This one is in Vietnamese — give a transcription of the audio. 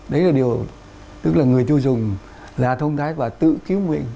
đấy là điều tức là người tiêu dùng là thông thái và tự cứu mình